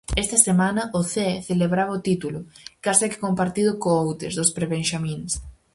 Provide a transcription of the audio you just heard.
Esta semana o Cee celebraba o título, case que compartido co Outes, dos prebenxamíns.